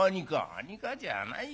「何かじゃないよ。